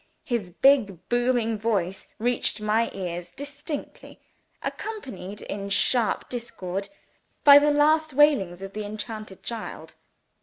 His big booming voice reached my ears distinctly, accompanied in sharp discord by the last wailings of the exhausted child.